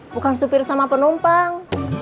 bukan supir sama penumpang